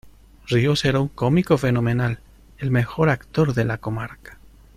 Ríos era un cómico fenomenal, ¡el mejor actor de la comarca!